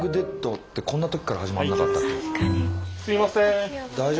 すいません。